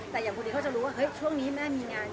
แต่อย่างพอดีเขาจะรู้ว่าเฮ้ยช่วงนี้แม่มีงาน